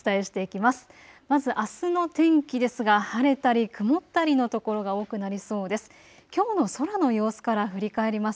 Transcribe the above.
まずあすの天気ですが晴れたり曇ったりの所が多くなりそうです。